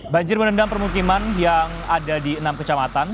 banjir merendam permukiman yang ada di enam kecamatan